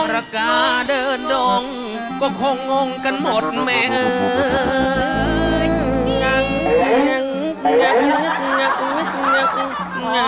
รากาเดินดงก็คงงงกันหมดแมท